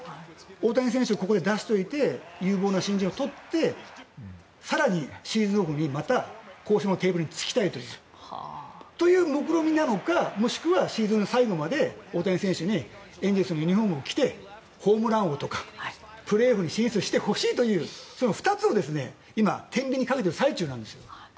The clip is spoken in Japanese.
大谷選手をここで出しておいて有望な新人をとって更にシーズンオフにまた交渉のテーブルにつきたいという目論見なのかもしくはシーズン最後まで大谷選手にエンゼルスのユニホームを着てホームラン王とか、プレーオフに進出してほしいという２つを今、天秤にかけている最中なんです。